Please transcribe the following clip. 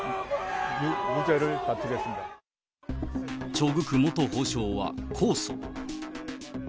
チョ・グク元法相は控訴。